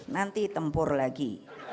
nanti tempur lagi